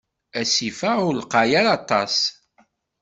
Asif-a ur lqay ara aṭas.